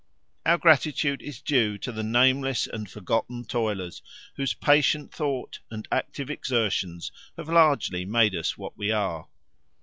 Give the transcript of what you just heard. Our gratitude is due to the nameless and forgotten toilers, whose patient thought and active exertions have largely made us what we are.